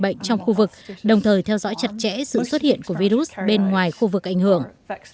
bệnh trong khu vực đồng thời theo dõi chặt chẽ sự xuất hiện của virus bên ngoài khu vực ảnh hưởng